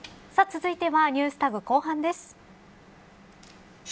続いてはＮｅｗｓＴａｇ後半です。